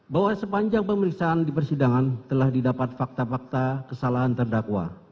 bahwa sepanjang pemeriksaan di persidangan telah didapat fakta fakta kesalahan terdakwa